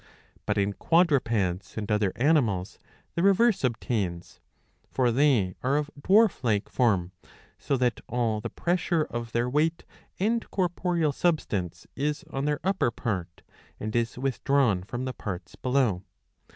But in quadrupeds and other animals the reverse obtains. For they are of dwarf like form, so that all the pressure of their weight and corporeal substance is on their upper part; and is withdrawn from the parts below.